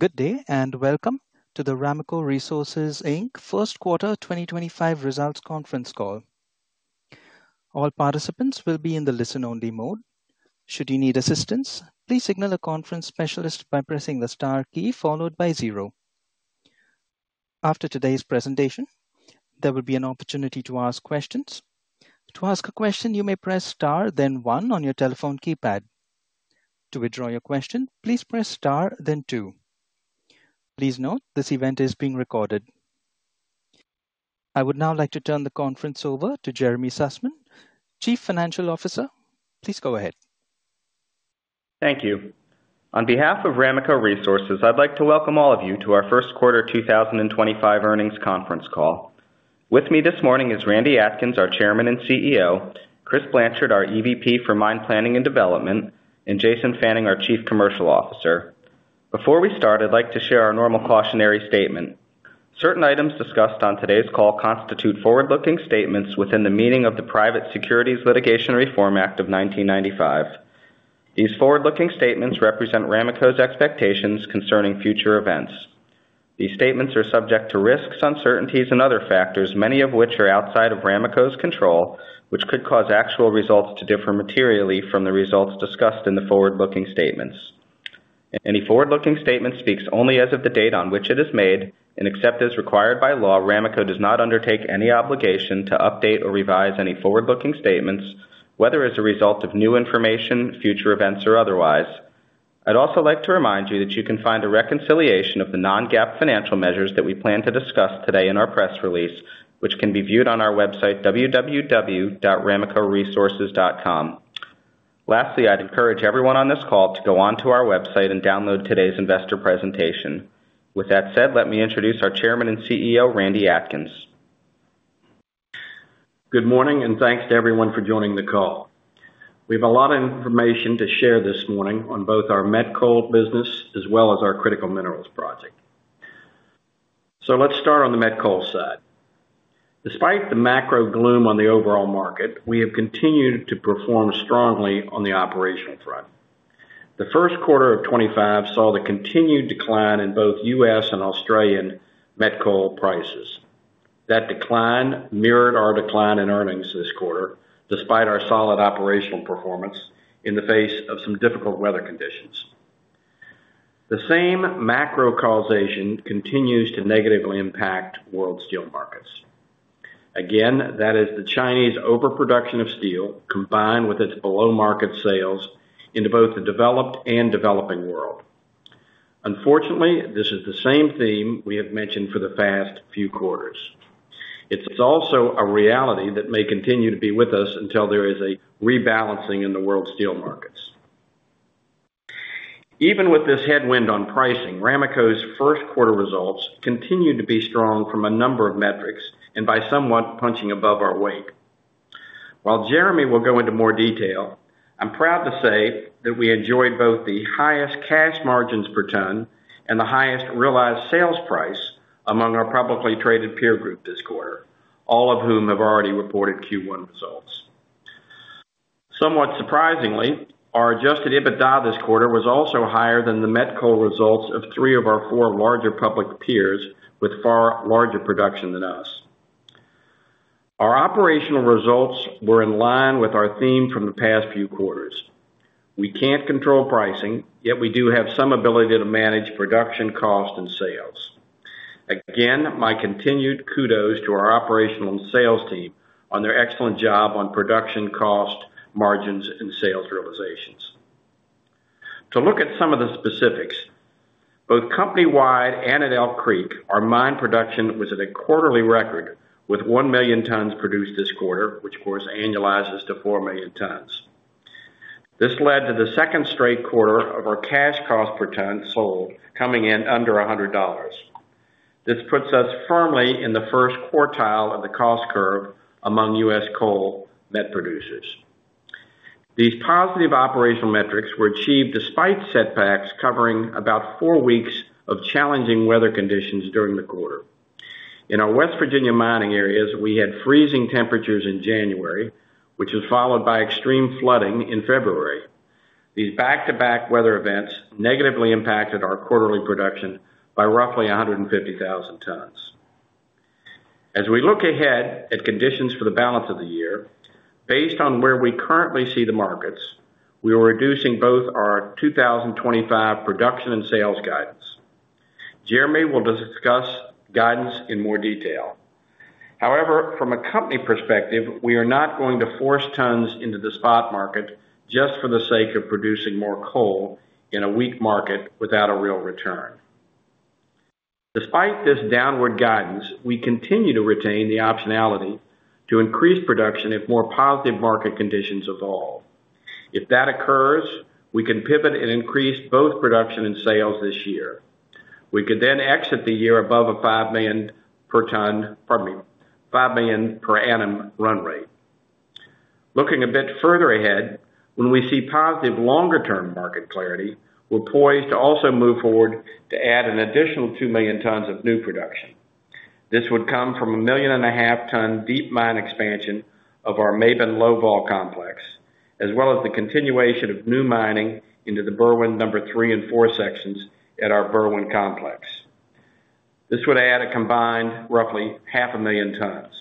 Good day and welcome to the Ramaco Resources first quarter 2025 results conference call. All participants will be in the listen-only mode. Should you need assistance, please signal a conference specialist by pressing the star key followed by zero. After today's presentation, there will be an opportunity to ask questions. To ask a question, you may press star, then one on your telephone keypad. To withdraw your question, please press star, then two. Please note this event is being recorded. I would now like to turn the conference over to Jeremy Sussman, Chief Financial Officer. Please go ahead. Thank you. On behalf of Ramaco Resources, I'd like to welcome all of you to our first quarter 2025 earnings conference call. With me this morning is Randy Atkins, our Chairman and CEO, Chris Blanchard, our EVP for Mine Planning and Development, and Jason Fannin, our Chief Commercial Officer. Before we start, I'd like to share our normal cautionary statement. Certain items discussed on today's call constitute forward-looking statements within the meaning of the Private Securities Litigation Reform Act of 1995. These forward-looking statements represent Ramaco's expectations concerning future events. These statements are subject to risks, uncertainties, and other factors, many of which are outside of Ramaco's control, which could cause actual results to differ materially from the results discussed in the forward-looking statements. Any forward-looking statement speaks only as of the date on which it is made, and except as required by law, Ramaco does not undertake any obligation to update or revise any forward-looking statements, whether as a result of new information, future events, or otherwise. I would also like to remind you that you can find a reconciliation of the non-GAAP financial measures that we plan to discuss today in our press release, which can be viewed on our website, www.ramacoresources.com. Lastly, I would encourage everyone on this call to go on to our website and download today's investor presentation. With that said, let me introduce our Chairman and CEO, Randy Atkins. Good morning, and thanks to everyone for joining the call. We have a lot of information to share this morning on both our MetCoal business as well as our critical minerals project. Let's start on the MetCoal side. Despite the macro gloom on the overall market, we have continued to perform strongly on the operational front. The first quarter of 2025 saw the continued decline in both U.S. and Australian MetCoal prices. That decline mirrored our decline in earnings this quarter, despite our solid operational performance in the face of some difficult weather conditions. The same macro causation continues to negatively impact world steel markets. Again, that is the Chinese overproduction of steel combined with its below-market sales into both the developed and developing world. Unfortunately, this is the same theme we have mentioned for the past few quarters. It's also a reality that may continue to be with us until there is a rebalancing in the world steel markets. Even with this headwind on pricing, Ramaco's first quarter results continue to be strong from a number of metrics and by somewhat punching above our weight. While Jeremy will go into more detail, I'm proud to say that we enjoyed both the highest cash margins per ton and the highest realized sales price among our publicly traded peer group this quarter, all of whom have already reported Q1 results. Somewhat surprisingly, our adjusted EBITDA this quarter was also higher than the MetCoal results of three of our four larger public peers with far larger production than us. Our operational results were in line with our theme from the past few quarters. We can't control pricing, yet we do have some ability to manage production, cost, and sales. Again, my continued kudos to our operational and sales team on their excellent job on production, cost, margins, and sales realizations. To look at some of the specifics, both company-wide and at Elk Creek, our mine production was at a quarterly record with 1 million tons produced this quarter, which, of course, annualizes to 4 million tons. This led to the second straight quarter of our cash cost per ton sold coming in under $100. This puts us firmly in the first quartile of the cost curve among U.S. coal met producers. These positive operational metrics were achieved despite setbacks covering about four weeks of challenging weather conditions during the quarter. In our West Virginia mining areas, we had freezing temperatures in January, which was followed by extreme flooding in February. These back-to-back weather events negatively impacted our quarterly production by roughly 150,000 tons. As we look ahead at conditions for the balance of the year, based on where we currently see the markets, we are reducing both our 2025 production and sales guidance. Jeremy will discuss guidance in more detail. However, from a company perspective, we are not going to force tons into the spot market just for the sake of producing more coal in a weak market without a real return. Despite this downward guidance, we continue to retain the optionality to increase production if more positive market conditions evolve. If that occurs, we can pivot and increase both production and sales this year. We could then exit the year above a 5 million per ton—pardon me—5 million per annum run rate. Looking a bit further ahead, when we see positive longer-term market clarity, we're poised to also move forward to add an additional 2 million tons of new production. This would come from a 1.5 million ton deep mine expansion of our Maben low-vol complex, as well as the continuation of new mining into the Berwyn number three and four sections at our Berwyn complex. This would add a combined roughly 500,000 tons.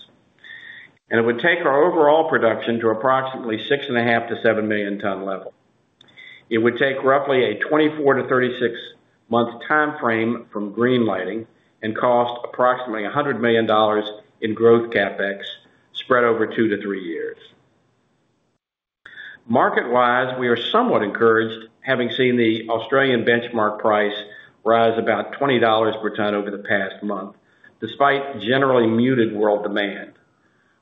It would take our overall production to approximately 6.5 million-7 million ton level. It would take roughly a 24-36 month timeframe from greenlighting and cost approximately $100 million in growth CapEx spread over two to three years. Market-wise, we are somewhat encouraged, having seen the Australian benchmark price rise about $20 per ton over the past month, despite generally muted world demand.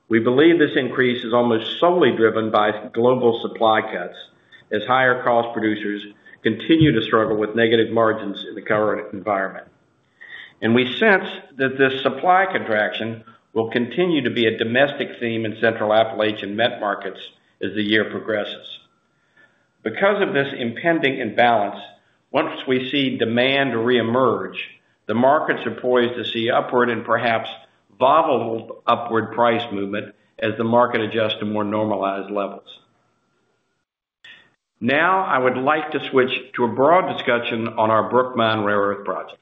We believe this increase is almost solely driven by global supply cuts as higher cost producers continue to struggle with negative margins in the current environment. We sense that this supply contraction will continue to be a domestic theme in Central Appalachian met markets as the year progresses. Because of this impending imbalance, once we see demand reemerge, the markets are poised to see upward and perhaps volatile upward price movement as the market adjusts to more normalized levels. Now, I would like to switch to a broad discussion on our Brook Mine rare earth project.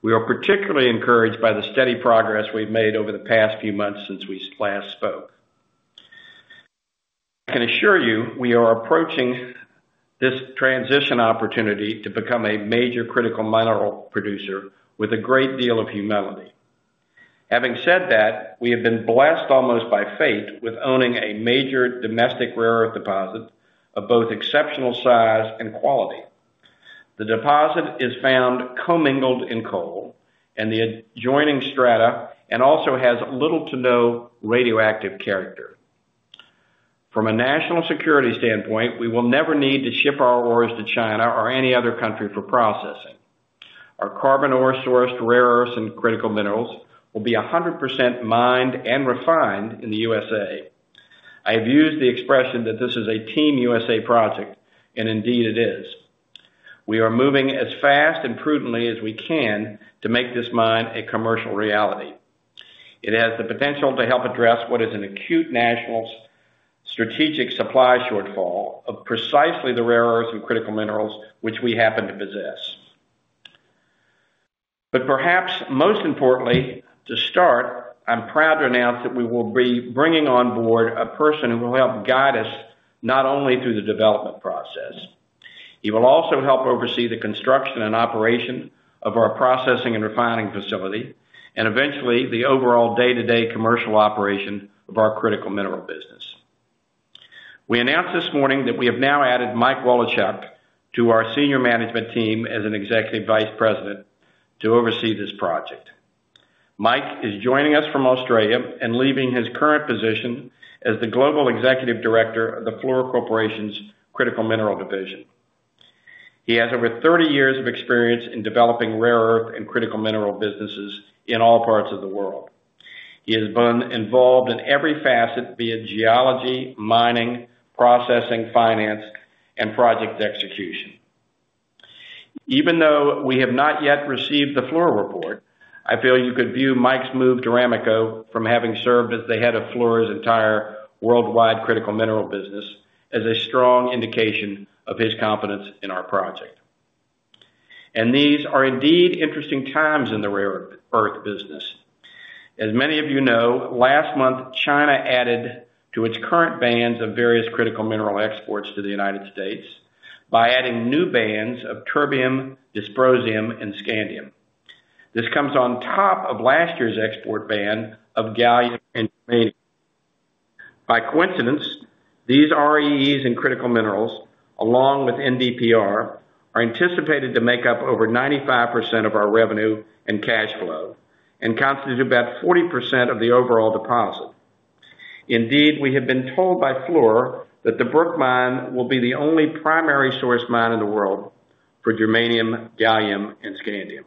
We are particularly encouraged by the steady progress we have made over the past few months since we last spoke. I can assure you we are approaching this transition opportunity to become a major critical mineral producer with a great deal of humility. Having said that, we have been blessed almost by fate with owning a major domestic rare earth deposit of both exceptional size and quality. The deposit is found co-mingled in coal and the adjoining strata and also has little to no radioactive character. From a national security standpoint, we will never need to ship our ores to China or any other country for processing. Our carbon ore-sourced rare earths and critical minerals will be 100% mined and refined in the USA. I have used the expression that this is a team USA project, and indeed it is. We are moving as fast and prudently as we can to make this mine a commercial reality. It has the potential to help address what is an acute national strategic supply shortfall of precisely the rare earths and critical minerals which we happen to possess. Perhaps most importantly, to start, I'm proud to announce that we will be bringing on board a person who will help guide us not only through the development process. He will also help oversee the construction and operation of our processing and refining facility and eventually the overall day-to-day commercial operation of our critical mineral business. We announced this morning that we have now added Mike Woloschuk to our senior management team as an Executive Vice President to oversee this project. Mike is joining us from Australia and leaving his current position as the Global Executive Director of the Fluor Corporation's critical mineral division. He has over 30 years of experience in developing rare earth and critical mineral businesses in all parts of the world. He has been involved in every facet via geology, mining, processing, finance, and project execution. Even though we have not yet received the Fluor report, I feel you could view Mike's move to Ramaco from having served as the head of Fluor's entire worldwide critical mineral business as a strong indication of his confidence in our project. These are indeed interesting times in the rare earth business. As many of you know, last month, China added to its current bans of various critical mineral exports to the United States by adding new bans of terbium, dysprosium, and scandium. This comes on top of last year's export ban of gallium and germanium. By coincidence, these REEs and critical minerals, along with NdPr, are anticipated to make up over 95% of our revenue and cash flow and constitute about 40% of the overall deposit. Indeed, we have been told by Fluor that the Brook Mine will be the only primary source mine in the world for germanium, gallium, and scandium.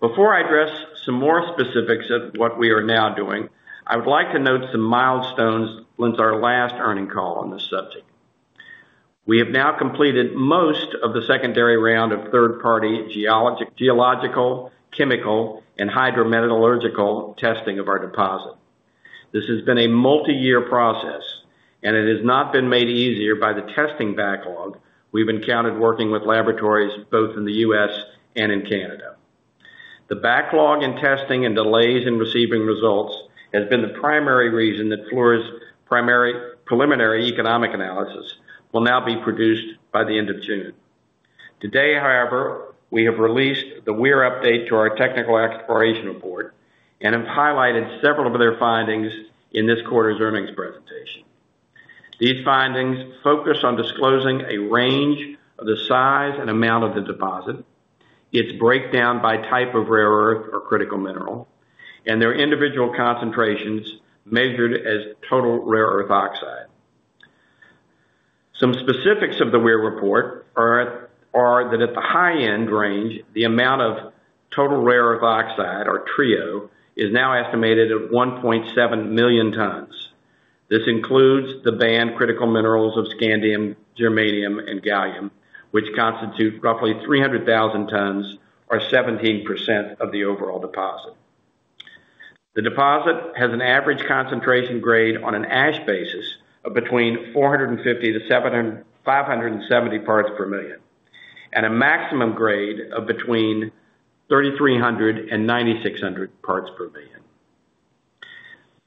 Before I address some more specifics of what we are now doing, I would like to note some milestones since our last earnings call on this subject. We have now completed most of the secondary round of third-party geological, chemical, and hydrometallurgical testing of our deposit. This has been a multi-year process, and it has not been made easier by the testing backlog we have encountered working with laboratories both in the U.S. and in Canada. The backlog in testing and delays in receiving results has been the primary reason that Fluor's preliminary economic analysis will now be produced by the end of June. Today, however, we have released the Weir update to our technical exploration report and have highlighted several of their findings in this quarter's earnings presentation. These findings focus on disclosing a range of the size and amount of the deposit, its breakdown by type of rare earth or critical mineral, and their individual concentrations measured as total rare earth oxide. Some specifics of the Weir report are that at the high-end range, the amount of total rare earth oxide, or TREO, is now estimated at 1.7 million tons. This includes the banned critical minerals of scandium, germanium, and gallium, which constitute roughly 300,000 tons, or 17% of the overall deposit. The deposit has an average concentration grade on an ash basis of between 450-570 parts per million and a maximum grade of between 3,300-9,600 parts per million.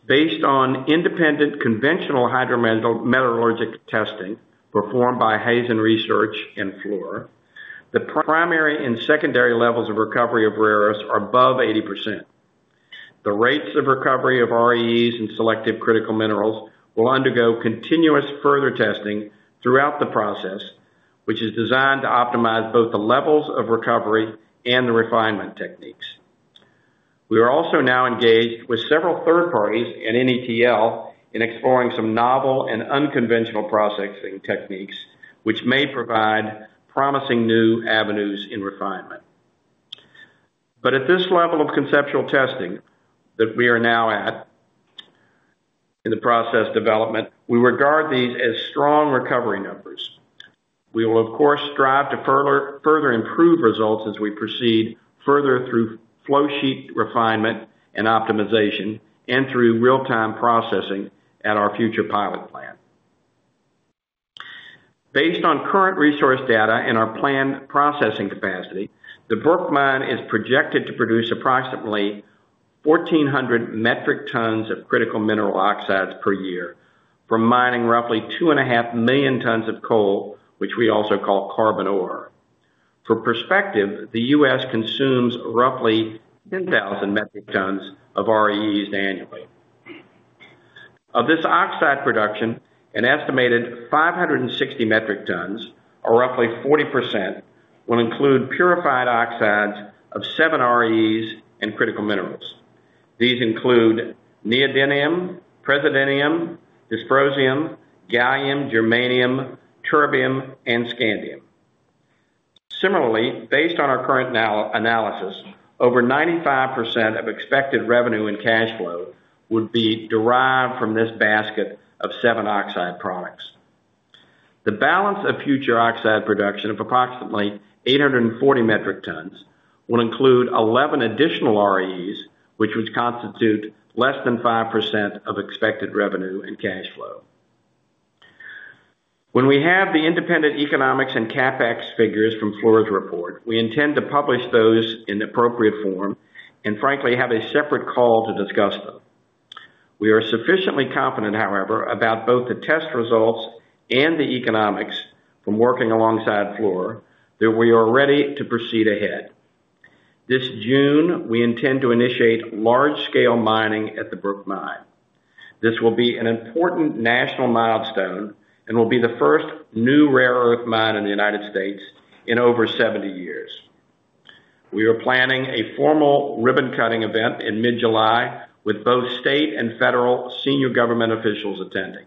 Based on independent conventional hydrometallurgical testing performed by Hazen Research and Fluor, the primary and secondary levels of recovery of rare earths are above 80%. The rates of recovery of REEs and selective critical minerals will undergo continuous further testing throughout the process, which is designed to optimize both the levels of recovery and the refinement techniques. We are also now engaged with several third parties at NETL in exploring some novel and unconventional processing techniques, which may provide promising new avenues in refinement. At this level of conceptual testing that we are now at in the process development, we regard these as strong recovery numbers. We will, of course, strive to further improve results as we proceed further through flowsheet refinement and optimization and through real-time processing at our future pilot plant. Based on current resource data and our planned processing capacity, the Brook Mine is projected to produce approximately 1,400 metric tons of critical mineral oxides per year from mining roughly 2.5 million tons of coal, which we also call carbon ore. For perspective, the U.S. consumes roughly 10,000 metric tons of REEs annually. Of this oxide production, an estimated 560 metric tons, or roughly 40%, will include purified oxides of seven REEs and critical minerals. These include neodymium, praseodymium, dysprosium, gallium, germanium, terbium, and scandium. Similarly, based on our current analysis, over 95% of expected revenue and cash flow would be derived from this basket of seven oxide products. The balance of future oxide production of approximately 840 metric tons will include 11 additional REEs, which would constitute less than 5% of expected revenue and cash flow. When we have the independent economics and CapEx figures from Fluor's report, we intend to publish those in appropriate form and, frankly, have a separate call to discuss them. We are sufficiently confident, however, about both the test results and the economics from working alongside Fluor that we are ready to proceed ahead. This June, we intend to initiate large-scale mining at the Brook Mine. This will be an important national milestone and will be the first new rare earth mine in the United States in over 70 years. We are planning a formal ribbon-cutting event in mid-July with both state and federal senior government officials attending.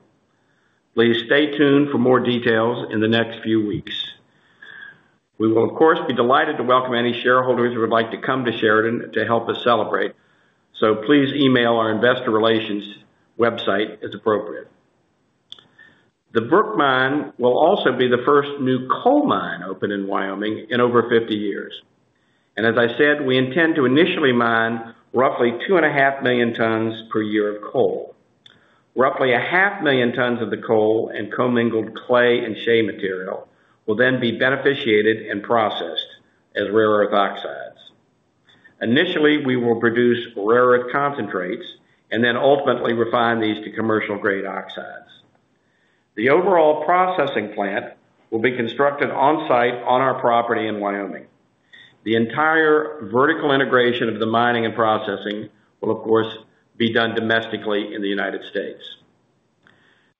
Please stay tuned for more details in the next few weeks. We will, of course, be delighted to welcome any shareholders who would like to come to Sheridan to help us celebrate, so please email our investor relations website as appropriate. The Brook Mine will also be the first new coal mine open in Wyoming in over 50 years. As I said, we intend to initially mine roughly 2.5 million tons per year of coal. Roughly 500,000 tons of the coal and co-mingled clay and shale material will then be beneficiated and processed as rare earth oxides. Initially, we will produce rare earth concentrates and then ultimately refine these to commercial-grade oxides. The overall processing plant will be constructed on-site on our property in Wyoming. The entire vertical integration of the mining and processing will, of course, be done domestically in the United States.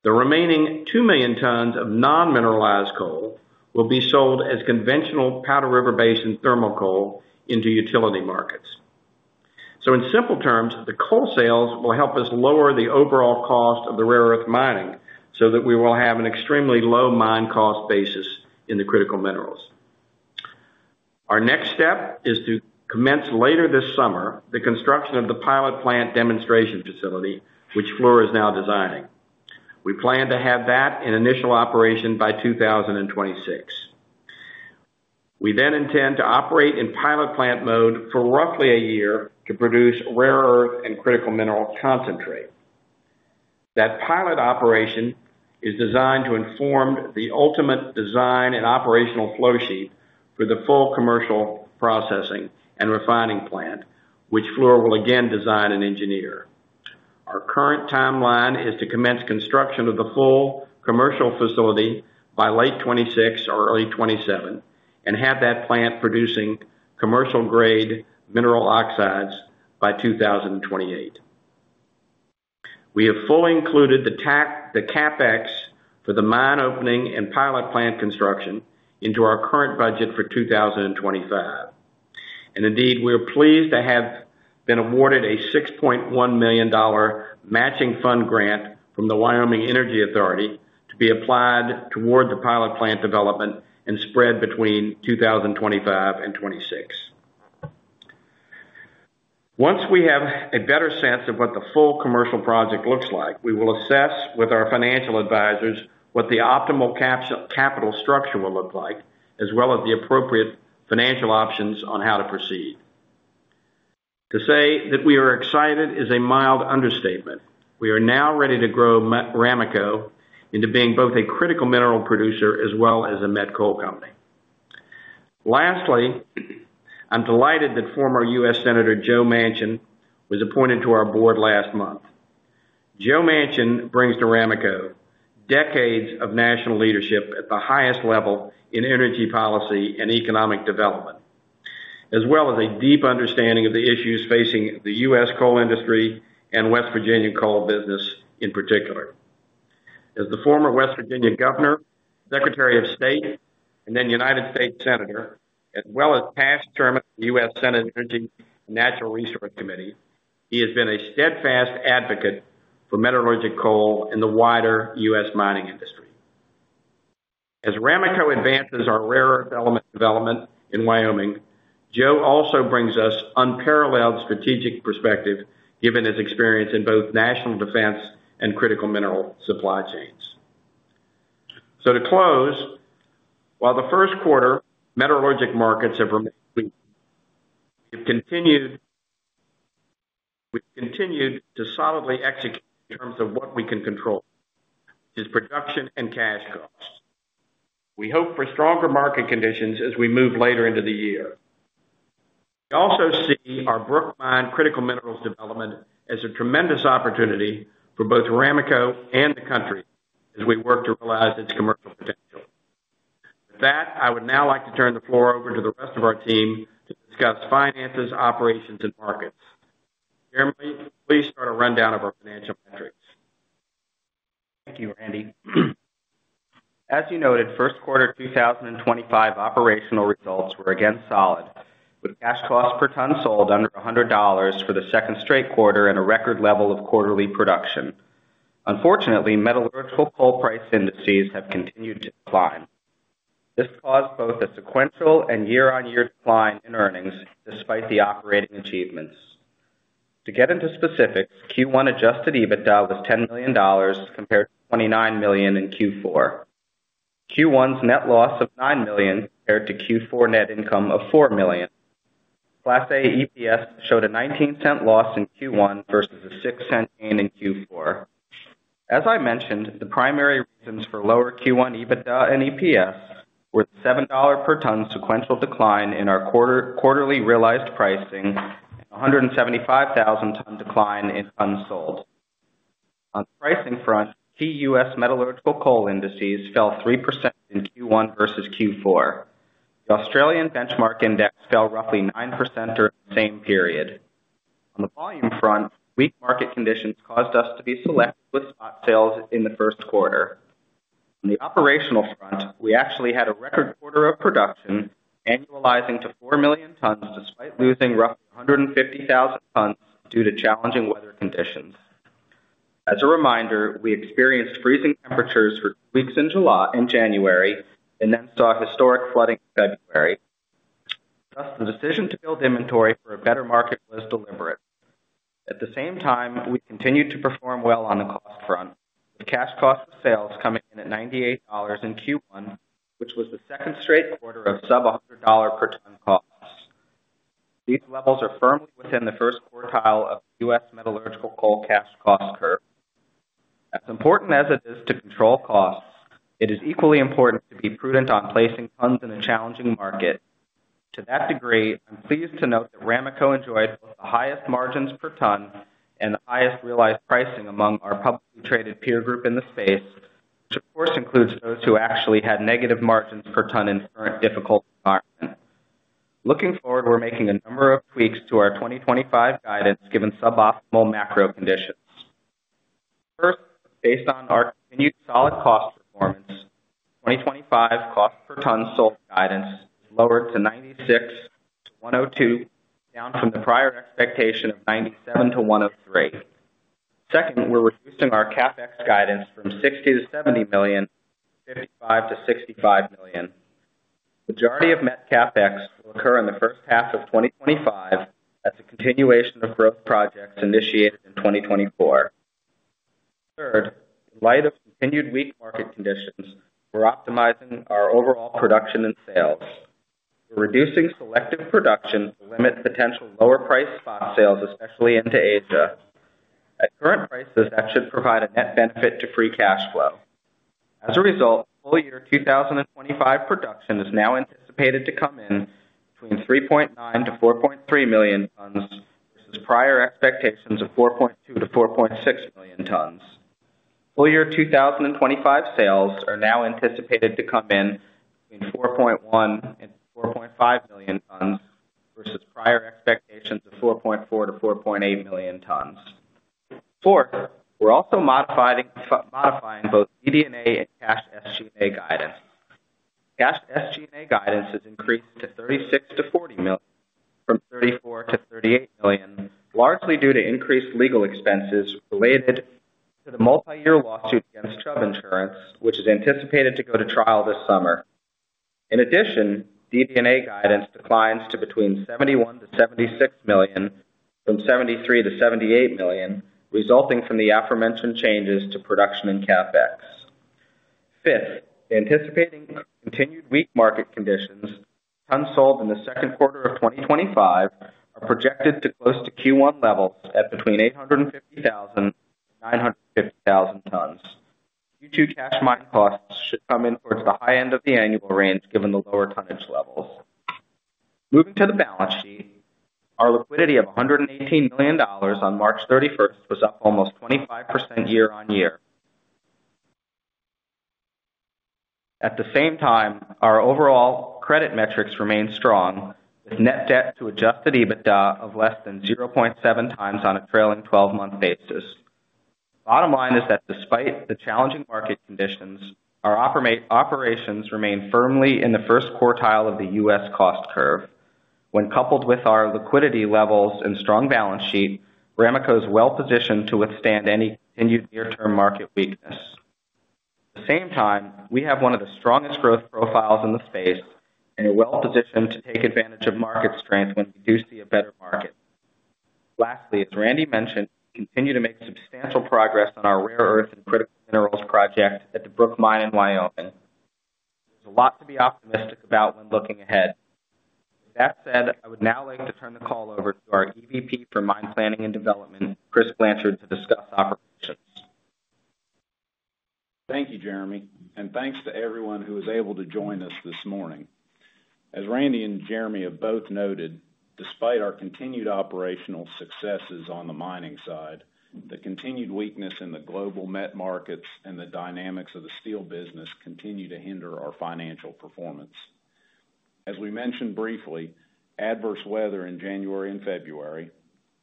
The remaining 2 million tons of non-mineralized coal will be sold as conventional Powder River Basin thermal coal into utility markets. In simple terms, the coal sales will help us lower the overall cost of the rare earth mining so that we will have an extremely low mine cost basis in the critical minerals. Our next step is to commence later this summer the construction of the pilot plant demonstration facility, which Fluor is now designing. We plan to have that in initial operation by 2026. We then intend to operate in pilot plant mode for roughly a year to produce rare earth and critical mineral concentrate. That pilot operation is designed to inform the ultimate design and operational flowsheet for the full commercial processing and refining plant, which Fluor will again design and engineer. Our current timeline is to commence construction of the full commercial facility by late 2026 or early 2027 and have that plant producing commercial-grade mineral oxides by 2028. We have fully included the CapEx for the mine opening and pilot plant construction into our current budget for 2025. We are pleased to have been awarded a $6.1 million matching fund grant from the Wyoming Energy Authority to be applied toward the pilot plant development and spread between 2025 and 2026. Once we have a better sense of what the full commercial project looks like, we will assess with our financial advisors what the optimal capital structure will look like, as well as the appropriate financial options on how to proceed. To say that we are excited is a mild understatement. We are now ready to grow Ramaco into being both a critical mineral producer as well as a met coal company. Lastly, I'm delighted that former U.S. Senator Joe Manchin was appointed to our board last month. Joe Manchin brings to Ramaco decades of national leadership at the highest level in energy policy and economic development, as well as a deep understanding of the issues facing the U.S. coal industry and West Virginia coal business in particular. As the former West Virginia Governor, Secretary of State, and then United States Senator, as well as past Chairman of the U.S. Senate Energy and Natural Resources Committee, he has been a steadfast advocate for metallurgical coal in the wider U.S. mining industry. As Ramaco advances our rare earth element development in Wyoming, Joe also brings us unparalleled strategic perspective given his experience in both national defense and critical mineral supply chains. To close, while the first quarter metallurgical markets have remained weak, we have continued to solidly execute in terms of what we can control, which is production and cash costs. We hope for stronger market conditions as we move later into the year. We also see our Brook Mine critical minerals development as a tremendous opportunity for both Ramaco and the country as we work to realize its commercial potential. With that, I would now like to turn the floor over to the rest of our team to discuss finances, operations, and markets. Jeremy, please start a rundown of our financial metrics. Thank you, Randy. As you noted, first quarter 2025 operational results were again solid, with cash costs per ton sold under $100 for the second straight quarter and a record level of quarterly production. Unfortunately, metallurgical coal price indices have continued to decline. This caused both a sequential and year-on-year decline in earnings despite the operating achievements. To get into specifics, Q1 adjusted EBITDA was $10 million compared to $29 million in Q4. Q1's net loss of $9 million compared to Q4 net income of $4 million. Class A EPS showed a $0.19 loss in Q1 versus a $0.06 gain in Q4. As I mentioned, the primary reasons for lower Q1 EBITDA and EPS were the $7 per ton sequential decline in our quarterly realized pricing and 175,000-ton decline in tons sold. On the pricing front, key U.S. metallurgical coal indices fell 3% in Q1 versus Q4. The Australian Benchmark Index fell roughly 9% during the same period. On the volume front, weak market conditions caused us to be selective with spot sales in the first quarter. On the operational front, we actually had a record quarter of production annualizing to 4 million tons despite losing roughly 150,000 tons due to challenging weather conditions. As a reminder, we experienced freezing temperatures for two weeks in January and then saw historic flooding in February. Thus, the decision to build inventory for a better market was deliberate. At the same time, we continued to perform well on the cost front, with cash costs of sales coming in at $98 in Q1, which was the second straight quarter of sub-$100 per ton costs. These levels are firmly within the first quartile of the U.S. metallurgical coal cash cost curve. As important as it is to control costs, it is equally important to be prudent on placing funds in a challenging market. To that degree, I'm pleased to note that Ramaco enjoyed both the highest margins per ton and the highest realized pricing among our publicly traded peer group in the space, which, of course, includes those who actually had negative margins per ton in the current difficult environment. Looking forward, we're making a number of tweaks to our 2025 guidance given suboptimal macro conditions. First, based on our continued solid cost performance, 2025 cost per ton sold guidance is lowered to $96 million-$102 million, down from the prior expectation of $97 million-$103 million. Second, we're reducing our CapEx guidance from $60 million-$70 million to $55 million-$65 million. The majority of net CapEx will occur in the first half of 2025 as a continuation of growth projects initiated in 2024. Third, in light of continued weak market conditions, we're optimizing our overall production and sales. We're reducing selective production to limit potential lower-priced spot sales, especially into Asia. At current prices, that should provide a net benefit to free cash flow. As a result, full year 2025 production is now anticipated to come in between 3.9 million-4.3 million tons versus prior expectations of 4.2 million-4.6 million tons. Full year 2025 sales are now anticipated to come in between 4.1 million and 4.5 million tons versus prior expectations of 4.4 million-4.8 million tons. Fourth, we're also modifying both CDNA and cash SG&A guidance. Cash SG&A guidance has increased to $36 million-40 million, from $34 million-38 million, largely due to increased legal expenses related to the multi-year lawsuit against Chubb Insurance, which is anticipated to go to trial this summer. In addition, CDNA guidance declines to between $71 million-76 million, from $73 million-78 million, resulting from the aforementioned changes to production and CapEx. Fifth, anticipating continued weak market conditions, tons sold in the second quarter of 2025 are projected to close to Q1 levels at between 850,000-950,000 tons. Q2 cash mine costs should come in towards the high end of the annual range given the lower tonnage levels. Moving to the balance sheet, our liquidity of $118 million on March 31 was up almost 25% year-on-year. At the same time, our overall credit metrics remain strong, with net debt to adjusted EBITDA of less than 0.7x on a trailing 12-month basis. Bottom line is that despite the challenging market conditions, our operations remain firmly in the first quartile of the U.S. cost curve. When coupled with our liquidity levels and strong balance sheet, Ramaco is well-positioned to withstand any continued near-term market weakness. At the same time, we have one of the strongest growth profiles in the space and are well-positioned to take advantage of market strength when we do see a better market. Lastly, as Randall mentioned, we continue to make substantial progress on our rare earth and critical minerals project at the Brook Mine in Wyoming. There's a lot to be optimistic about when looking ahead. With that said, I would now like to turn the call over to our EVP for Mine Planning and Development, Chris Blanchard, to discuss operations. Thank you, Jeremy, and thanks to everyone who was able to join us this morning. As Randall and Jeremy have both noted, despite our continued operational successes on the mining side, the continued weakness in the global net markets and the dynamics of the steel business continue to hinder our financial performance. As we mentioned briefly, adverse weather in January and February,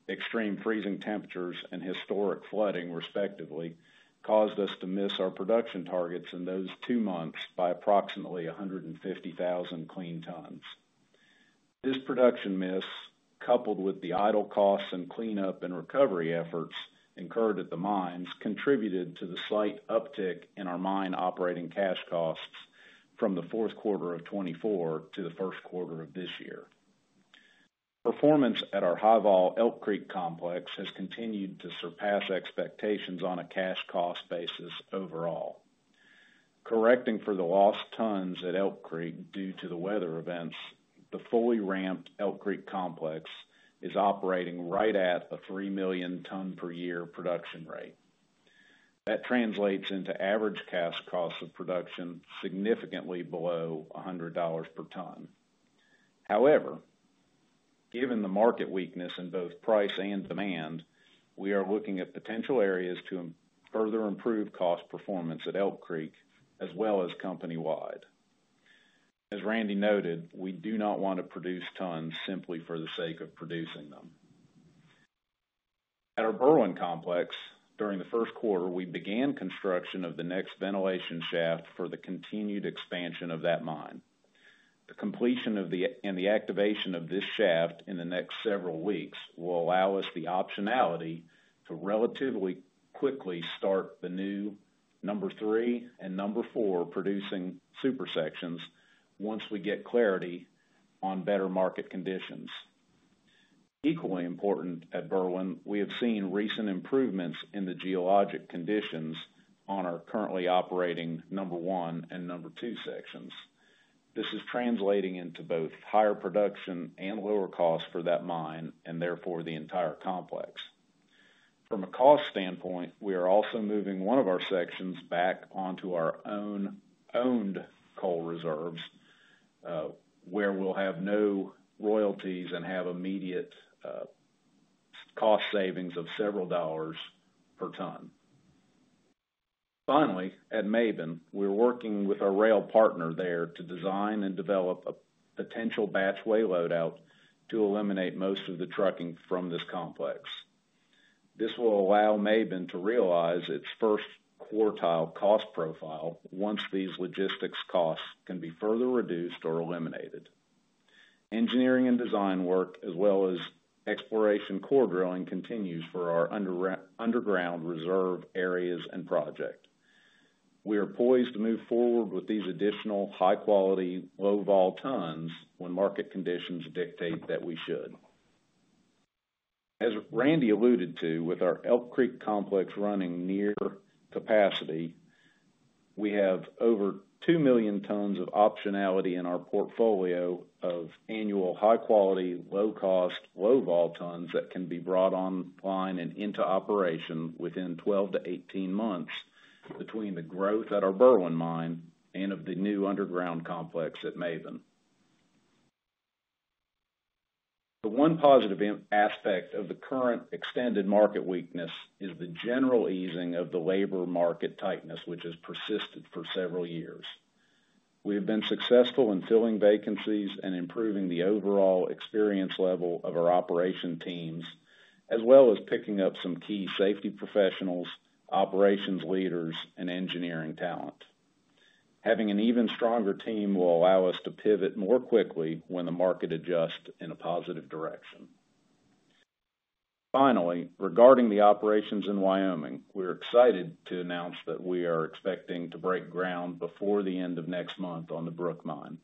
extreme freezing temperatures, and historic flooding, respectively, caused us to miss our production targets in those two months by approximately 150,000 clean tons. This production miss, coupled with the idle costs and cleanup and recovery efforts incurred at the mines, contributed to the slight uptick in our mine operating cash costs from the fourth quarter of 2024 to the first quarter of this year. Performance at our high-vol Elk Creek complex has continued to surpass expectations on a cash cost basis overall. Correcting for the lost tons at Elk Creek due to the weather events, the fully ramped Elk Creek complex is operating right at a 3 million ton per year production rate. That translates into average cash costs of production significantly below $100 per ton. However, given the market weakness in both price and demand, we are looking at potential areas to further improve cost performance at Elk Creek, as well as company-wide. As Randall noted, we do not want to produce tons simply for the sake of producing them. At our Berwind complex, during the first quarter, we began construction of the next ventilation shaft for the continued expansion of that mine. The completion and the activation of this shaft in the next several weeks will allow us the optionality to relatively quickly start the new number three and number four producing super sections once we get clarity on better market conditions. Equally important at Berwind, we have seen recent improvements in the geologic conditions on our currently operating number one and number two sections. This is translating into both higher production and lower costs for that mine and therefore the entire complex. From a cost standpoint, we are also moving one of our sections back onto our own owned coal reserves, where we'll have no royalties and have immediate cost savings of several dollars per ton. Finally, at Maben, we're working with a rail partner there to design and develop a potential batch weigh loadout to eliminate most of the trucking from this complex. This will allow Maben to realize its first quartile cost profile once these logistics costs can be further reduced or eliminated. Engineering and design work, as well as exploration core drilling, continues for our underground reserve areas and project. We are poised to move forward with these additional high-quality low-vol tons when market conditions dictate that we should. As Randall alluded to, with our Elk Creek complex running near capacity, we have over 2 million tons of optionality in our portfolio of annual high-quality, low-cost, low-vol tons that can be brought online and into operation within 12-18 months between the growth at our Berwind mine and of the new underground complex at Maben. The one positive aspect of the current extended market weakness is the general easing of the labor market tightness, which has persisted for several years. We have been successful in filling vacancies and improving the overall experience level of our operation teams, as well as picking up some key safety professionals, operations leaders, and engineering talent. Having an even stronger team will allow us to pivot more quickly when the market adjusts in a positive direction. Finally, regarding the operations in Wyoming, we're excited to announce that we are expecting to break ground before the end of next month on the Brook Mine.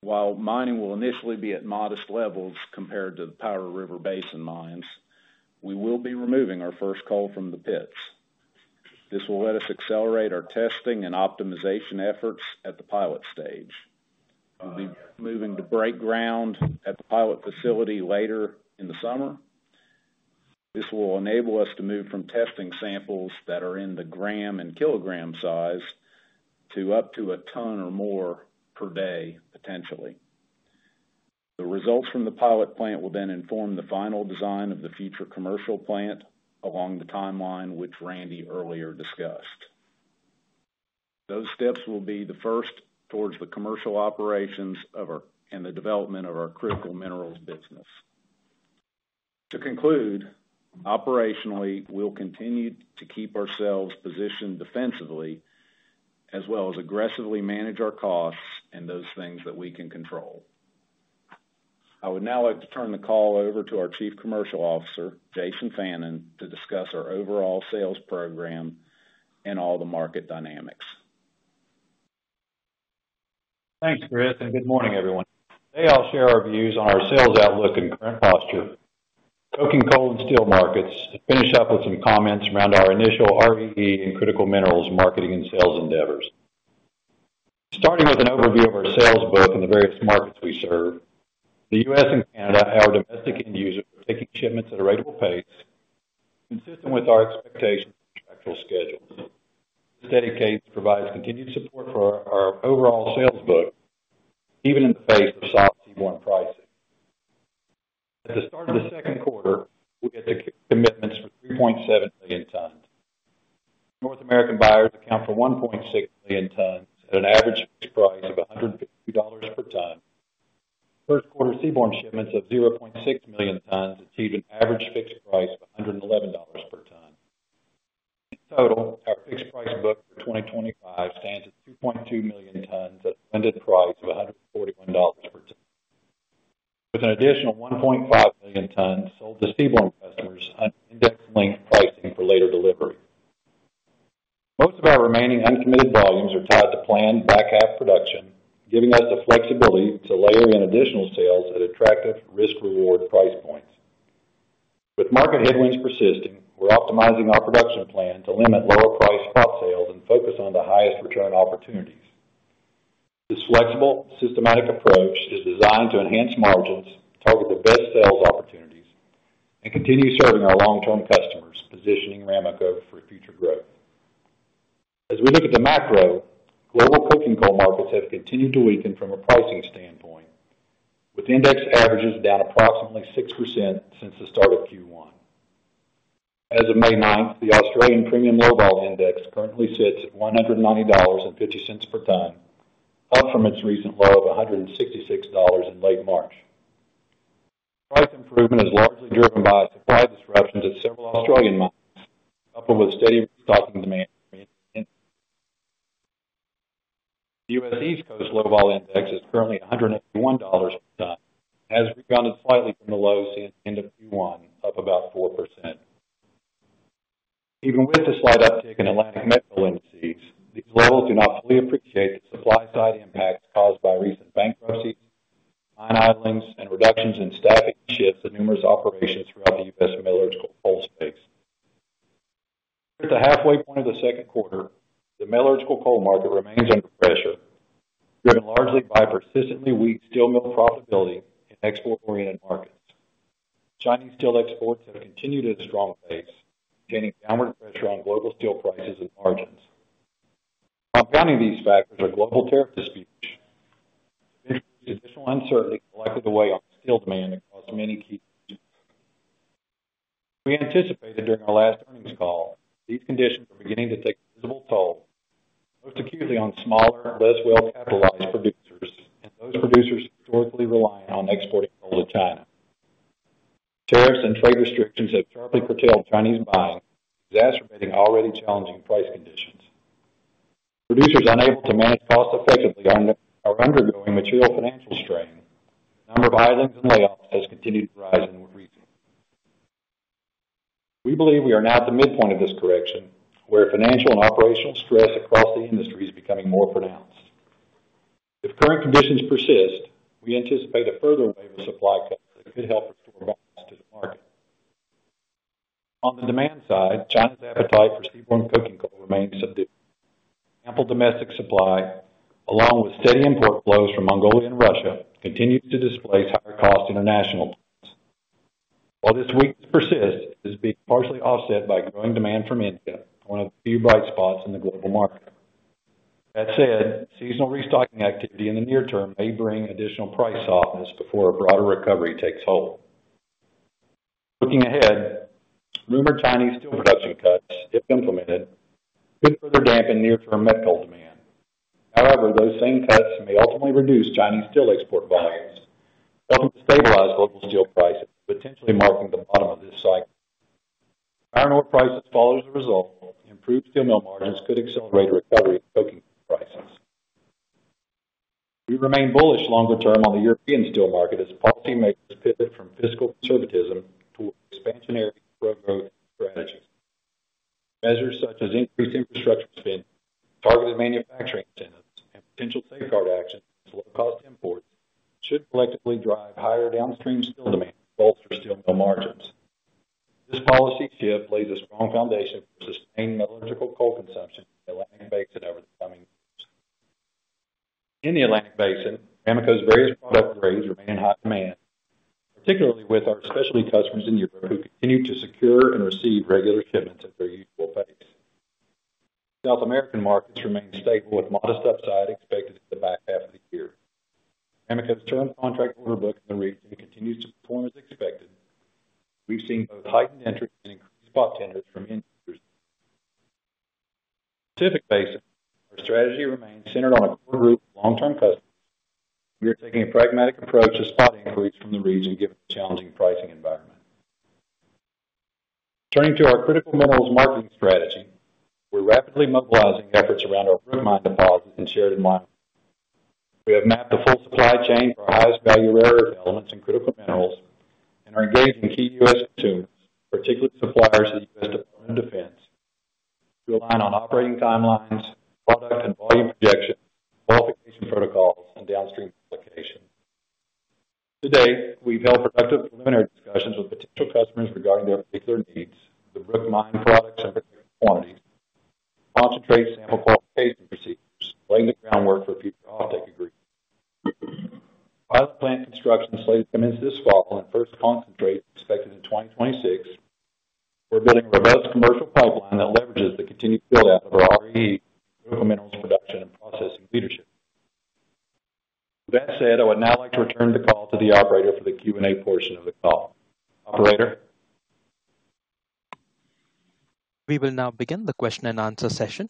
While mining will initially be at modest levels compared to the Powder River Basin mines, we will be removing our first coal from the pits. This will let us accelerate our testing and optimization efforts at the pilot stage. We'll be moving to break ground at the pilot facility later in the summer. This will enable us to move from testing samples that are in the gram and kilogram size to up to a ton or more per day, potentially. The results from the pilot plant will then inform the final design of the future commercial plant along the timeline which Randall earlier discussed. Those steps will be the first towards the commercial operations and the development of our critical minerals business. To conclude, operationally, we'll continue to keep ourselves positioned defensively, as well as aggressively manage our costs and those things that we can control. I would now like to turn the call over to our Chief Commercial Officer, Jason Fannin, to discuss our overall sales program and all the market dynamics. Thanks, Chris, and good morning, everyone. Today, I'll share our views on our sales outlook and current posture, token coal and steel markets, and finish up with some comments around our initial REE and critical minerals marketing and sales endeavors. Starting with an overview of our sales book and the various markets we serve, the U.S. and Canada are our domestic end users are taking shipments at a ratable pace, consistent with our expectations and contractual schedules. This dedicates and provides continued support for our overall sales book, even in the face of soft seaborne pricing. At the start of the second quarter, we had commitments for 3.7 million tons. North American buyers account for 1.6 million tons at an average fixed price of $152 per ton. First quarter seaborne shipments of 0.6 million tons achieved an average fixed price of $111 per ton. In total, our fixed price book for 2025 stands at 2.2 million tons at a blended price of $141 per ton, with an additional 1.5 million tons sold to seaborne customers under index link pricing for later delivery. Most of our remaining uncommitted volumes are tied to planned back half production, giving us the flexibility to layer in additional sales at attractive risk-reward price points. With market headwinds persisting, we're optimizing our production plan to limit lower price cross sales and focus on the highest return opportunities. This flexible, systematic approach is designed to enhance margins, target the best sales opportunities, and continue serving our long-term customers, positioning Ramaco for future growth. As we look at the macro, global token coal markets have continued to weaken from a pricing standpoint, with index averages down approximately 6% since the start of Q1. As of May 9th, the Australian premium low-vol index currently sits at $190.50 per ton, up from its recent low of $166 in late March. Price improvement is largely driven by supply disruptions at several Australian mines, coupled with steady stocking demand. The U.S. East Coast low-vol index is currently $181 per ton, has rebounded slightly from the lows since the end of Q1, up about 4%. Even with the slight uptick in Atlantic met indices, these levels do not fully appreciate the supply-side impacts caused by recent bankruptcies, mine idlings, and reductions in staffing shifts in numerous operations throughout the U.S. metallurgical coal space. At the halfway point of the second quarter, the metallurgical coal market remains under pressure, driven largely by persistently weak steel mill profitability in export-oriented markets. Chinese steel exports have continued at a strong pace, gaining downward pressure on global steel prices and margins. Compounding these factors are global tariff disputes, which add additional uncertainty, clouded over steel demand, and caused many key issues. As we anticipated during our last earnings call, these conditions are beginning to take a visible toll, most acutely on smaller, less well-capitalized producers and those producers historically reliant on exporting coal to China. Tariffs and trade restrictions have sharply curtailed Chinese buying, exacerbating already challenging price conditions. Producers unable to manage costs effectively are undergoing material financial strain, and the number of idlings and layoffs has continued to rise in recent years. We believe we are now at the midpoint of this correction, where financial and operational stress across the industry is becoming more pronounced. If current conditions persist, we anticipate a further wave of supply cuts that could help restore balance to the market. On the demand side, China's appetite for seaborne coking coal remains subdued. Ample domestic supply, along with steady import flows from Mongolia and Russia, continues to displace higher-cost international plants. While this weakness persists, it is being partially offset by growing demand from India, one of the few bright spots in the global market. That said, seasonal restocking activity in the near term may bring additional price softness before a broader recovery takes hold. Looking ahead, rumored Chinese steel production cuts, if implemented, could further dampen near-term met demand. However, those same cuts may ultimately reduce Chinese steel export volumes, helping to stabilize local steel prices, potentially marking the bottom of this cycle. Iron ore prices follow as a result, and improved steel mill margins could accelerate recovery of token prices. We remain bullish longer term on the European steel market as policymakers pivot from fiscal conservatism toward expansionary pro-growth strategies. Measures such as increased infrastructure spend, targeted manufacturing incentives, and potential safeguard actions against low-cost imports should collectively drive higher downstream steel demand to bolster steel mill margins. This policy shift lays a strong foundation for sustained metallurgical coal consumption in the Atlantic Basin over the coming years. In the Atlantic Basin, Ramaco's various product rates remain in high demand, particularly with our specialty customers in Europe who continue to secure and receive regular shipments at their usual pace. South American markets remain stable, with modest upside expected in the back half of the year. Ramaco's term contract order book in the region continues to perform as expected. We've seen both heightened interest and increased spot tenders from end users. In the Pacific Basin, our strategy remains centered on a core group of long-term customers. We are taking a pragmatic approach to spot inquiries from the region given the challenging pricing environment. Turning to our critical minerals marketing strategy, we're rapidly mobilizing efforts around our Brook Mine deposits and shared environment. We have mapped the full supply chain for our highest value rare earth elements and critical minerals and are engaging key U.S. consumers, particularly suppliers in the U.S. Department of Defense, to align on operating timelines, product and volume projections, qualification protocols, and downstream applications. Today, we've held productive preliminary discussions with potential customers regarding their particular needs, the Brook Mine products and protected quantities, and concentrate sample qualification procedures, laying the groundwork for future offtake agreements. Pilot plant construction slated to commence this fall and first concentrate expected in 2026. We're building a robust commercial pipeline that leverages the continued build-out of our REE, critical minerals production, and processing leadership. With that said, I would now like to return the call to the operator for the Q&A portion of the call. Operator. We will now begin the question and answer session.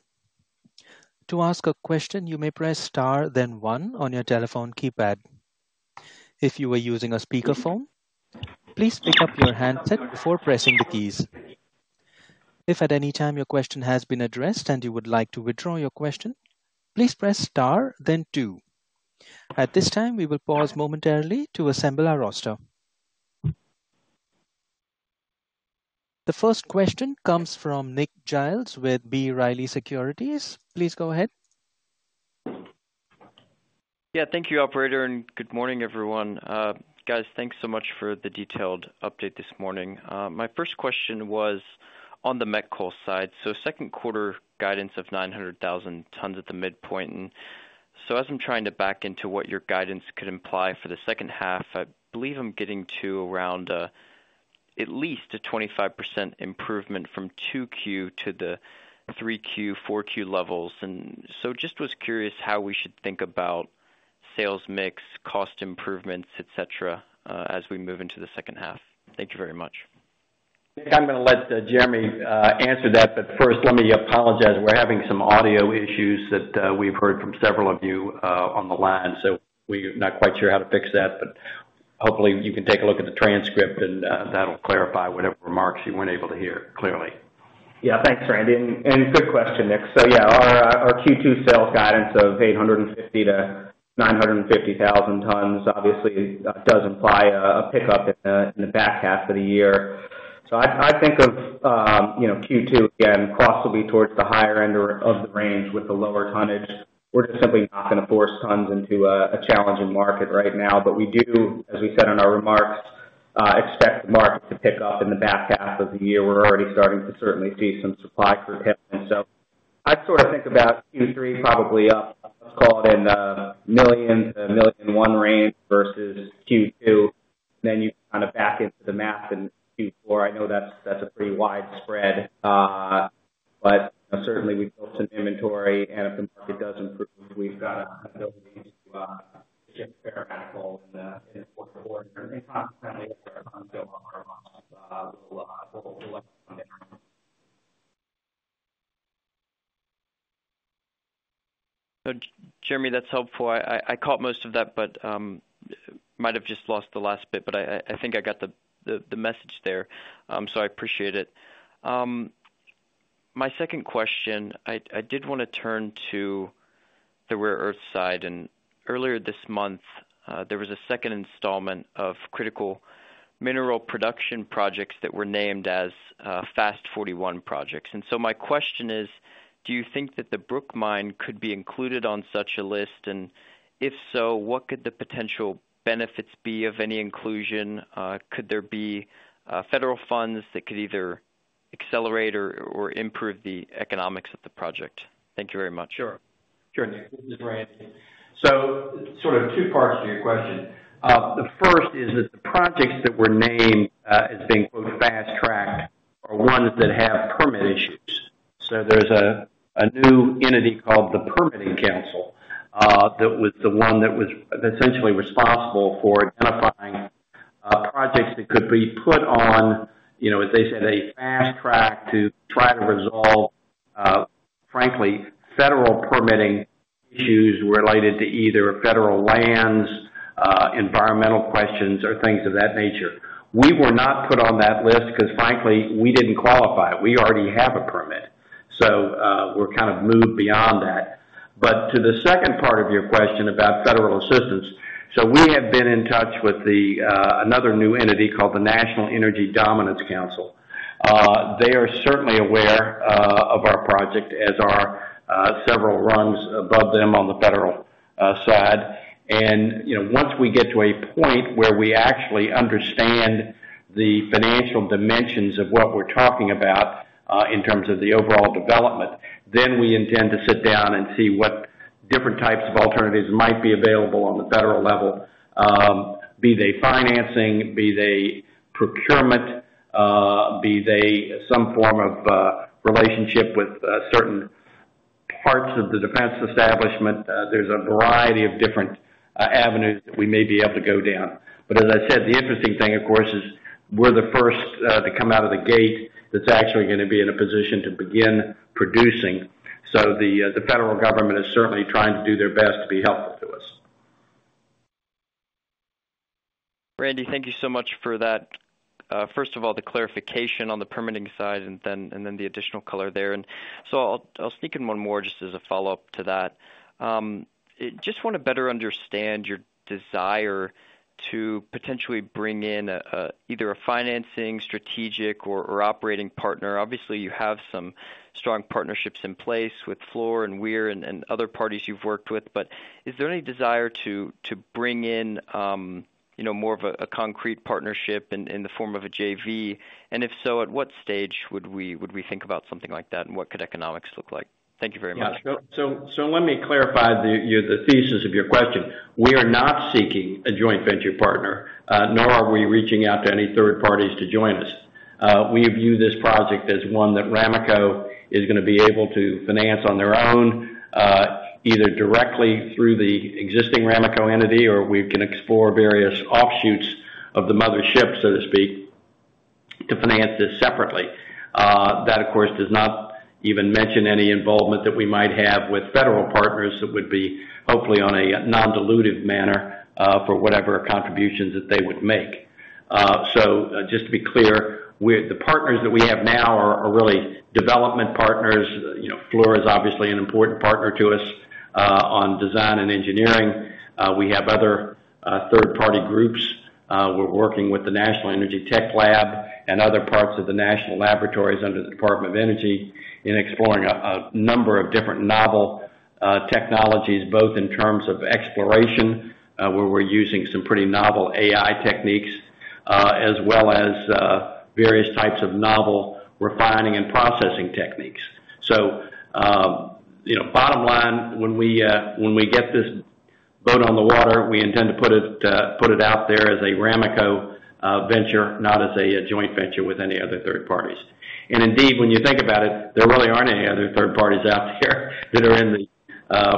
To ask a question, you may press star, then one on your telephone keypad. If you are using a speakerphone, please pick up your handset before pressing the keys. If at any time your question has been addressed and you would like to withdraw your question, please press star, then two. At this time, we will pause momentarily to assemble our roster. The first question comes from Nick Giles with B. Riley Securities. Please go ahead. Yeah, thank you, Operator, and good morning, everyone. Guys, thanks so much for the detailed update this morning. My first question was on the met coal side. Second quarter guidance of 900,000 tons at the midpoint. As I'm trying to back into what your guidance could imply for the second half, I believe I'm getting to around at least a 25% improvement from 2Q to the 3Q, 4Q levels. I was curious how we should think about sales mix, cost improvements, etc, as we move into the second half. Thank you very much. Nick, I'm going to let Jeremy answer that. First, let me apologize. We're having some audio issues that we've heard from several of you on the line. We're not quite sure how to fix that. Hopefully, you can take a look at the transcript, and that'll clarify whatever remarks you weren't able to hear clearly. Yeah, thanks, Randall. Good question, Nick. Yeah, our Q2 sales guidance of 850,000-950,000 tons obviously does imply a pickup in the back half of the year. I think of Q2, again, costs will be towards the higher end of the range with the lower tonnage. We're just simply not going to force tons into a challenging market right now. We do, as we said in our remarks, expect the market to pick up in the back half of the year. We're already starting to certainly see some supply curtailment. I'd sort of think about Q3 probably up, let's call it in the million to 1 million range versus Q2. Then you kind of back into the math in Q4. I know that's a pretty wide spread. Certainly, we've built some inventory. If the market does improve, we've got an ability to shift paramedical in the fourth quarter. Consequently, our tons go up, our loss will lessen on the market. Jeremy, that's helpful. I caught most of that, but might have just lost the last bit. I think I got the message there. I appreciate it. My second question, I did want to turn to the rare earth side. Earlier this month, there was a second installment of critical mineral production projects that were named as FAST-41 projects. My question is, do you think that the Brook Mine could be included on such a list? If so, what could the potential benefits be of any inclusion? Could there be federal funds that could either accelerate or improve the economics of the project? Thank you very much. Sure. Sure, Nick. This is Randy. Sort of two parts to your question. The first is that the projects that were named as being quote fast-tracked are ones that have permit issues. There is a new entity called the Permitting Council that was the one that was essentially responsible for identifying projects that could be put on, as they said, a fast track to try to resolve, frankly, federal permitting issues related to either federal lands, environmental questions, or things of that nature. We were not put on that list because, frankly, we did not qualify. We already have a permit. We are kind of moved beyond that. To the second part of your question about federal assistance, we have been in touch with another new entity called the National Energy Dominance Council. They are certainly aware of our project as are several runs above them on the federal side. Once we get to a point where we actually understand the financial dimensions of what we're talking about in terms of the overall development, we intend to sit down and see what different types of alternatives might be available on the federal level, be they financing, be they procurement, be they some form of relationship with certain parts of the defense establishment. There is a variety of different avenues that we may be able to go down. As I said, the interesting thing, of course, is we're the first to come out of the gate that's actually going to be in a position to begin producing. The federal government is certainly trying to do their best to be helpful to us. Randall, thank you so much for that. First of all, the clarification on the permitting side and then the additional color there. I'll sneak in one more just as a follow-up to that. Just want to better understand your desire to potentially bring in either a financing, strategic, or operating partner. Obviously, you have some strong partnerships in place with Fluor and Weir and other parties you've worked with. Is there any desire to bring in more of a concrete partnership in the form of a JV? If so, at what stage would we think about something like that, and what could economics look like? Thank you very much. Yeah. Let me clarify the thesis of your question. We are not seeking a joint venture partner, nor are we reaching out to any third parties to join us. We view this project as one that Ramaco is going to be able to finance on their own, either directly through the existing Ramaco entity, or we can explore various offshoots of the mother ship, so to speak, to finance this separately. That, of course, does not even mention any involvement that we might have with federal partners that would be, hopefully, on a non-dilutive manner for whatever contributions that they would make. Just to be clear, the partners that we have now are really development partners. Fluor is obviously an important partner to us on design and engineering. We have other third-party groups. We're working with the National Energy Tech Lab and other parts of the national laboratories under the Department of Energy in exploring a number of different novel technologies, both in terms of exploration, where we're using some pretty novel AI techniques, as well as various types of novel refining and processing techniques. Bottom line, when we get this boat on the water, we intend to put it out there as a Ramaco venture, not as a joint venture with any other third parties. Indeed, when you think about it, there really aren't any other third parties out there that are in the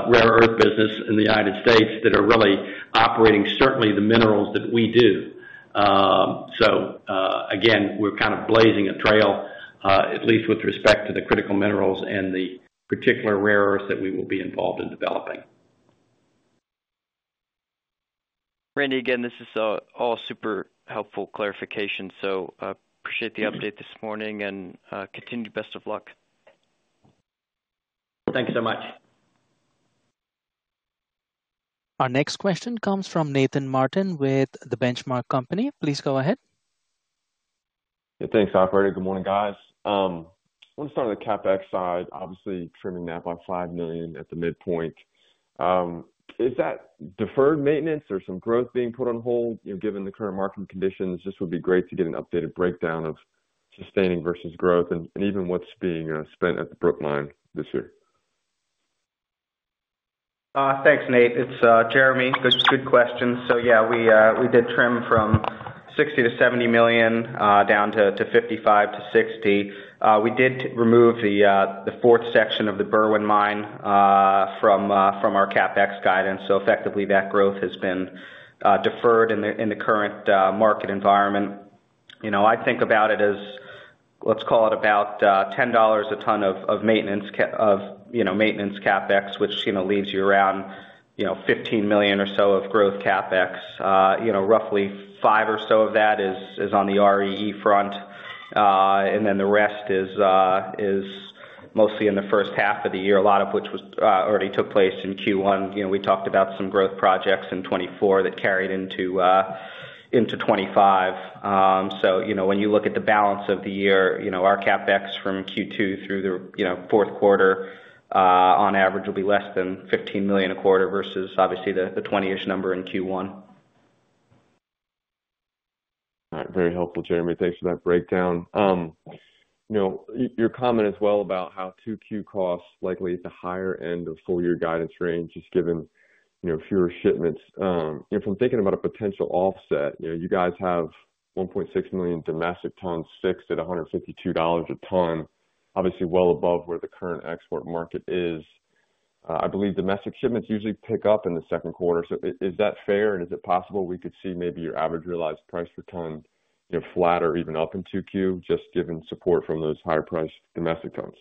rare earth business in the United States that are really operating certainly the minerals that we do. Again, we're kind of blazing a trail, at least with respect to the critical minerals and the particular rare earths that we will be involved in developing. Randy, again, this is all super helpful clarification. So, appreciate the update this morning and continue best of luck. Thanks so much. Our next question comes from Nathan Martin with The Benchmark Company. Please go ahead. Yeah, thanks, Operator. Good morning, guys. I want to start with the CapEx side. Obviously, trimming that by $5 million at the midpoint. Is that deferred maintenance or some growth being put on hold? Given the current marketing conditions, just would be great to get an updated breakdown of sustaining versus growth and even what's being spent at the Brook Mine this year. Thanks, Nate. It's Jeremy. Good question. So, yeah, we did trim from $60 million-$70 million down to $55 million-$60 million. We did remove the fourth section of the Berwyn Mine from our CapEx guidance. So, effectively, that growth has been deferred in the current market environment. I think about it as, let's call it about $10 a ton of maintenance CapEx, which leaves you around $15 million or so of growth CapEx. Roughly $5 million or so of that is on the REE front. And then the rest is mostly in the first half of the year, a lot of which already took place in Q1. We talked about some growth projects in 2024 that carried into 2025. So, when you look at the balance of the year, our CapEx from Q2 through the fourth quarter, on average, will be less than $15 million a quarter versus, obviously, the $20 million-ish number in Q1. All right. Very helpful, Jeremy. Thanks for that breakdown. Your comment as well about how 2Q costs likely is the higher end of full-year guidance range, just given fewer shipments. From thinking about a potential offset, you guys have 1.6 million domestic tons, fixed at $152 a ton, obviously well above where the current export market is. I believe domestic shipments usually pick up in the second quarter. Is that fair? Is it possible we could see maybe your average realized price per ton flat or even up in 2Q, just given support from those higher-priced domestic tons?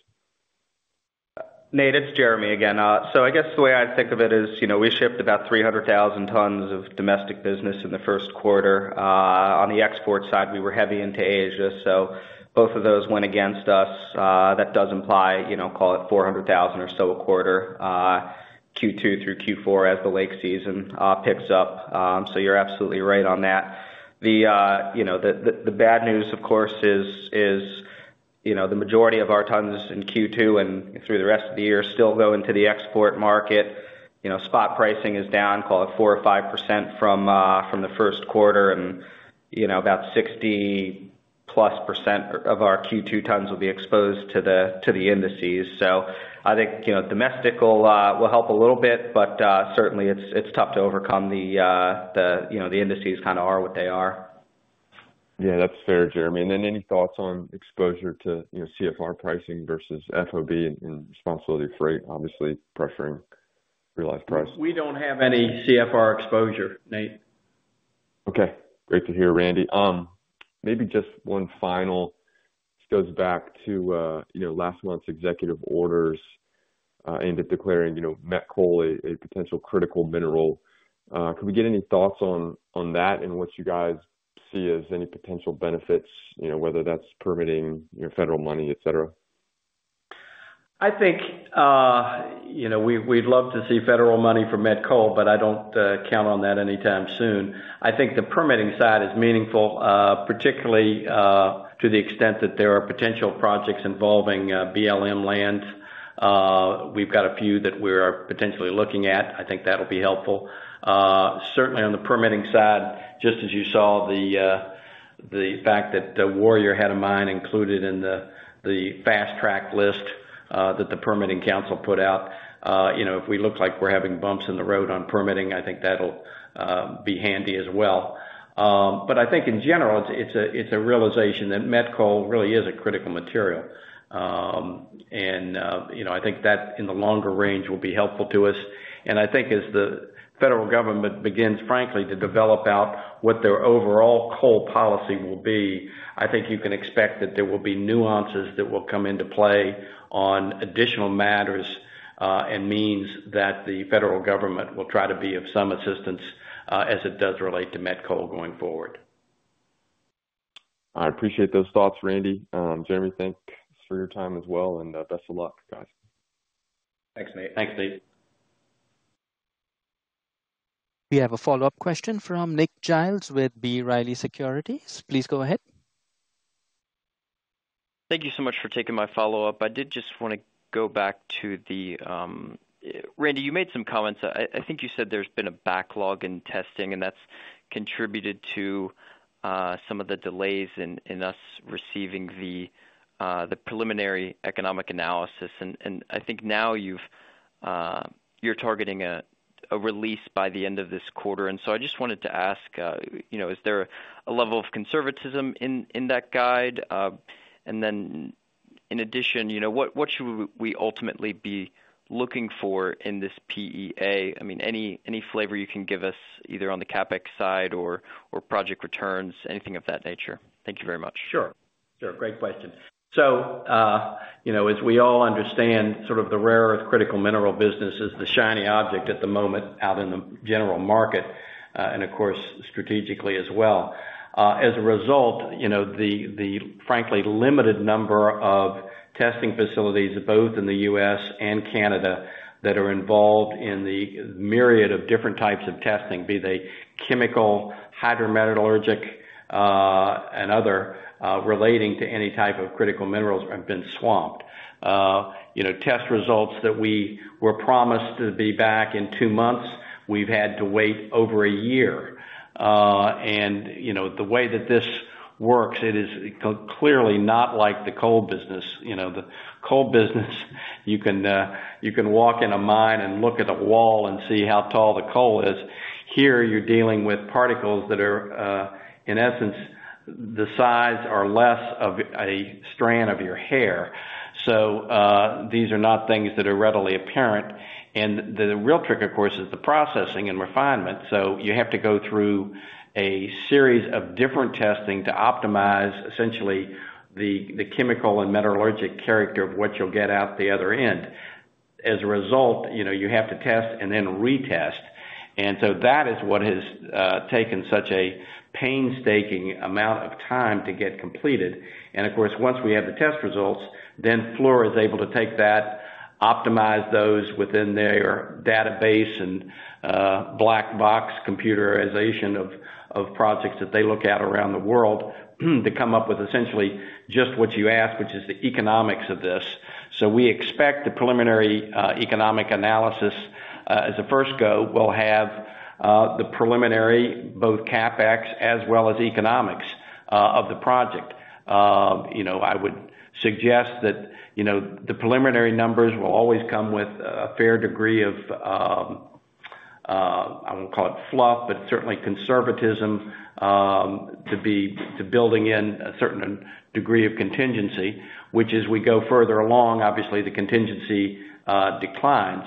Nate. It's Jeremy again. I guess the way I think of it is we shipped about 300,000 tons of domestic business in the first quarter. On the export side, we were heavy into Asia. Both of those went against us. That does imply, call it 400,000 or so a quarter, Q2 through Q4 as the lake season picks up. You're absolutely right on that. The bad news, of course, is the majority of our tons in Q2 and through the rest of the year still go into the export market. Spot pricing is down, call it 4% or 5% from the first quarter. About 60% + of our Q2 tons will be exposed to the indices. I think domestic will help a little bit. Certainly, it is tough to overcome. The indices kind of are what they are. Yeah, that is fair, Jeremy. Any thoughts on exposure to CFR pricing versus FOB and responsibility freight, obviously pressuring realized price? We do not have any CFR exposure, Nate. Okay. Great to hear. Randall maybe just one final. This goes back to last month's executive orders aimed at declaring met coal a potential critical mineral. Could we get any thoughts on that and what you guys see as any potential benefits, whether that's permitting, federal money, et cetera? I think we'd love to see federal money for met coal, but I don't count on that anytime soon. I think the permitting side is meaningful, particularly to the extent that there are potential projects involving BLM lands. We've got a few that we're potentially looking at. I think that'll be helpful. Certainly, on the permitting side, just as you saw the fact that Warrior had a mine included in the fast-track list that the Permitting Council put out, if we look like we're having bumps in the road on permitting, I think that'll be handy as well. I think, in general, it's a realization that met coal really is a critical material. I think that, in the longer range, will be helpful to us. I think as the federal government begins, frankly, to develop out what their overall coal policy will be, I think you can expect that there will be nuances that will come into play on additional matters and means that the federal government will try to be of some assistance as it does relate to met coal going forward. I appreciate those thoughts, Randall. Jeremy, thanks for your time as well. Best of luck, guys. Thanks, Nate. Thanks, Nate. We have a follow-up question from Nick Giles with B. Riley Securities. Please go ahead. Thank you so much for taking my follow-up. I did just want to go back to the Randy, you made some comments. I think you said there's been a backlog in testing, and that's contributed to some of the delays in us receiving the preliminary economic analysis. I think now you're targeting a release by the end of this quarter. I just wanted to ask, is there a level of conservatism in that guide? In addition, what should we ultimately be looking for in this PEA? I mean, any flavor you can give us, either on the CapEx side or project returns, anything of that nature. Thank you very much. Sure. Great question. As we all understand, sort of the rare earth critical mineral business is the shiny object at the moment out in the general market, and of course, strategically as well. As a result, the frankly limited number of testing facilities, both in the U.S. and Canada, that are involved in the myriad of different types of testing, be they chemical, hydrometallurgic, and other relating to any type of critical minerals, have been swamped. Test results that we were promised to be back in two months, we've had to wait over a year. The way that this works, it is clearly not like the coal business. The coal business, you can walk in a mine and look at a wall and see how tall the coal is. Here, you're dealing with particles that are, in essence, the size or less of a strand of your hair. These are not things that are readily apparent. The real trick, of course, is the processing and refinement. You have to go through a series of different testing to optimize, essentially, the chemical and metallurgic character of what you'll get out the other end. As a result, you have to test and then retest. That is what has taken such a painstaking amount of time to get completed. Of course, once we have the test results, then Fluor is able to take that, optimize those within their database and black box computerization of projects that they look at around the world to come up with, essentially, just what you asked, which is the economics of this. We expect the preliminary economic analysis, as a first go, will have the preliminary, both CapEx as well as economics of the project. I would suggest that the preliminary numbers will always come with a fair degree of, I will not call it fluff, but certainly conservatism to building in a certain degree of contingency, which, as we go further along, obviously, the contingency declines.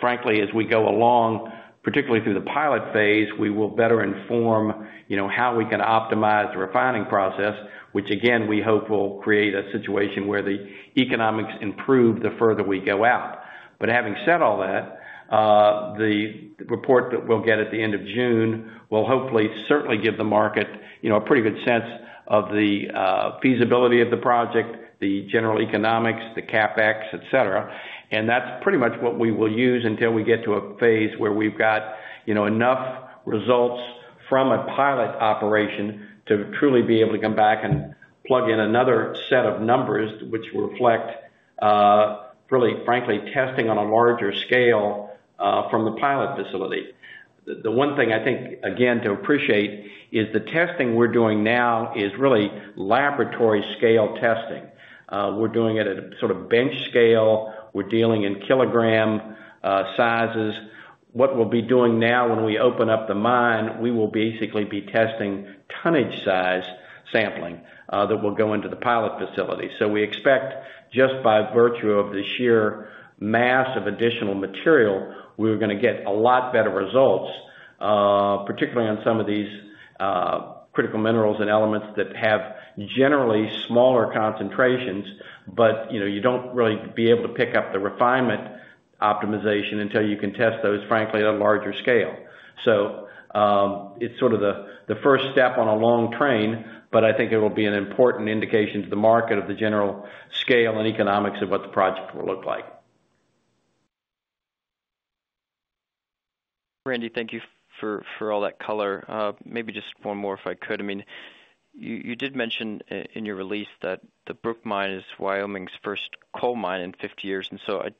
Frankly, as we go along, particularly through the pilot phase, we will better inform how we can optimize the refining process, which, again, we hope will create a situation where the economics improve the further we go out. Having said all that, the report that we will get at the end of June will hopefully certainly give the market a pretty good sense of the feasibility of the project, the general economics, the CapEx, etc. That is pretty much what we will use until we get to a phase where we have got enough results from a pilot operation to truly be able to come back and plug in another set of numbers, which reflect, really, frankly, testing on a larger scale from the pilot facility. The one thing I think, again, to appreciate is the testing we are doing now is really laboratory-scale testing. We're doing it at a sort of bench scale. We're dealing in kilogram sizes. What we'll be doing now when we open up the mine, we will basically be testing tonnage-size sampling that will go into the pilot facility. We expect, just by virtue of the sheer mass of additional material, we're going to get a lot better results, particularly on some of these critical minerals and elements that have generally smaller concentrations, but you don't really be able to pick up the refinement optimization until you can test those, frankly, at a larger scale. It's sort of the first step on a long train, but I think it will be an important indication to the market of the general scale and economics of what the project will look like. Randall, thank you for all that color. Maybe just one more if I could. I mean, you did mention in your release that the Brook Mine is Wyoming's first coal mine in 50 years. I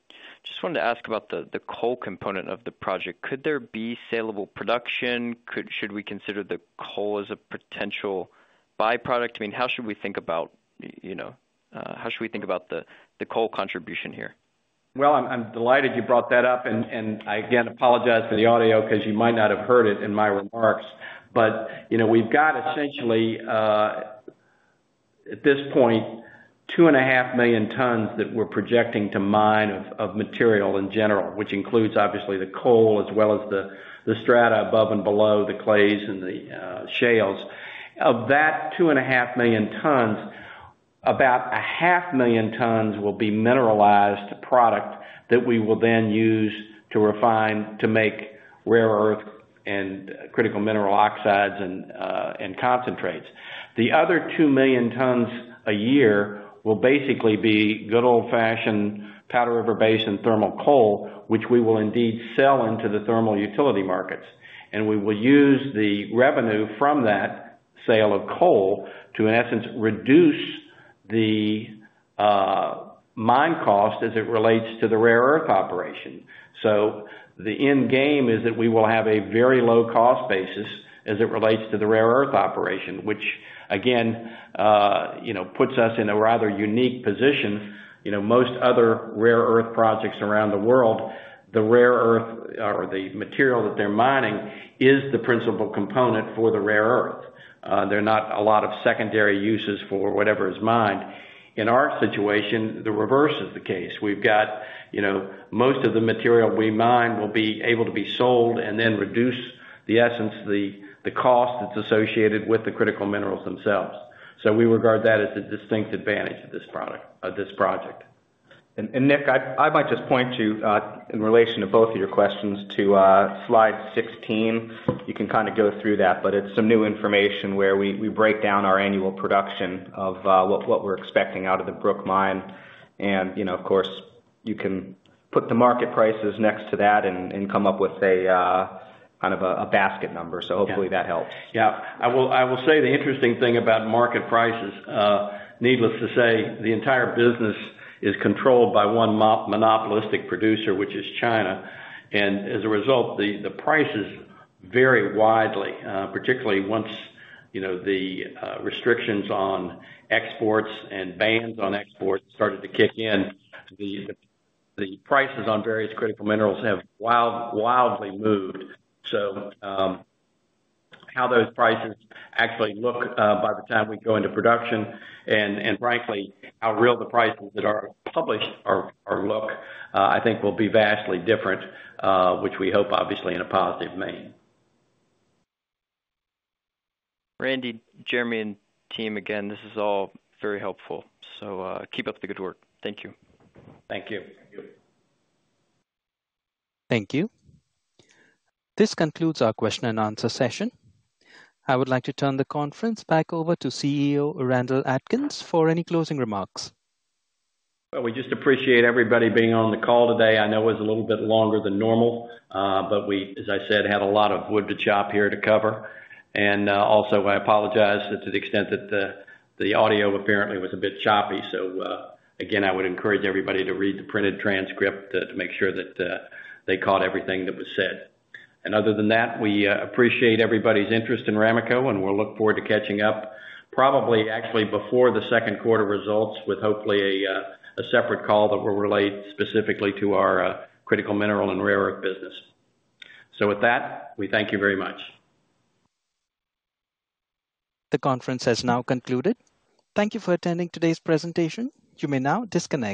just wanted to ask about the coal component of the project. Could there be saleable production? Should we consider the coal as a potential byproduct? I mean, how should we think about the coal contribution here? I'm delighted you brought that up. I, again, apologize for the audio because you might not have heard it in my remarks. We've got, essentially, at this point, 2.5 million tons that we're projecting to mine of material in general, which includes, obviously, the coal as well as the strata above and below, the clays and the shales. Of that 2.5 million tons, about 500,000 tons will be mineralized product that we will then use to refine to make rare earth and critical mineral oxides and concentrates. The other 2 million tons a year will basically be good old-fashioned Powder River Basin thermal coal, which we will indeed sell into the thermal utility markets. We will use the revenue from that sale of coal to, in essence, reduce the mine cost as it relates to the rare earth operation. The end game is that we will have a very low-cost basis as it relates to the rare earth operation, which, again, puts us in a rather unique position. Most other rare earth projects around the world, the rare earth or the material that they're mining is the principal component for the rare earth. There are not a lot of secondary uses for whatever is mined. In our situation, the reverse is the case. We've got most of the material we mine will be able to be sold and then reduce, in essence, the cost that's associated with the critical minerals themselves. We regard that as a distinct advantage of this project. Nick, I might just point to, in relation to both of your questions, slide 16. You can kind of go through that. It's some new information where we break down our annual production of what we're expecting out of the Brook Mine. Of course, you can put the market prices next to that and come up with kind of a basket number. Hopefully, that helps. Yeah. I will say the interesting thing about market prices, needless to say, the entire business is controlled by one monopolistic producer, which is China. As a result, the prices vary widely, particularly once the restrictions on exports and bans on exports started to kick in. The prices on various critical minerals have wildly moved. How those prices actually look by the time we go into production and, frankly, how real the prices that are published look, I think, will be vastly different, which we hope, obviously, in a positive vein. Randall, Jeremy, and team, again, this is all very helpful. Keep up the good work. Thank you. Thank you. Thank you. This concludes our question and answer session. I would like to turn the conference back over to CEO Randall Atkins for any closing remarks. We just appreciate everybody being on the call today. I know it was a little bit longer than normal, but we, as I said, had a lot of wood to chop here to cover. I also apologize to the extent that the audio apparently was a bit choppy. I would encourage everybody to read the printed transcript to make sure that they caught everything that was said. Other than that, we appreciate everybody's interest in Ramaco, and we'll look forward to catching up, probably, actually, before the second quarter results with, hopefully, a separate call that will relate specifically to our critical mineral and rare earth business. With that, we thank you very much. The conference has now concluded. Thank you for attending today's presentation. You may now disconnect.